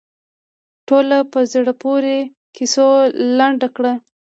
ټوله په زړه پورې کیسو لنډه کړه.